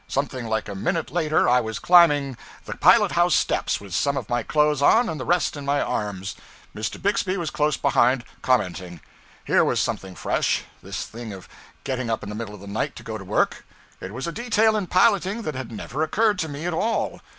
Something like a minute later I was climbing the pilot house steps with some of my clothes on and the rest in my arms. Mr. Bixby was close behind, commenting. Here was something fresh this thing of getting up in the middle of the night to go to work. It was a detail in piloting that had never occurred to me at all.